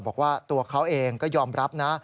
บอกว่าตัวเขาเองก็ยอมรับนะ